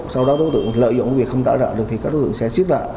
sau đó đối tượng lợi dụng việc không tả nợ được thì các đối tượng sẽ xiết nợ